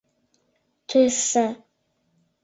Тӱсшӧ...